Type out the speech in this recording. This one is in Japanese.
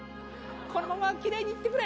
このままきれいにいってくれ。